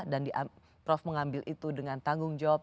prof mengambil itu dengan tanggung jawab